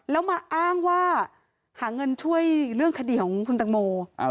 แล้วมันกลายเป็นข่าว